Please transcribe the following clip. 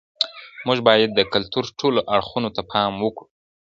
موږ باید د کلتور ټولو اړخونو ته پام وکړو.